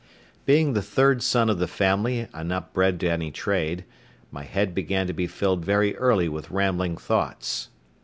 Being the third son of the family and not bred to any trade, my head began to be filled very early with rambling thoughts.